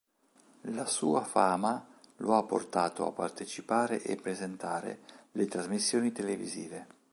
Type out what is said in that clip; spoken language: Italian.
La sua fama lo ha portato a partecipare e presentare le trasmissioni televisive.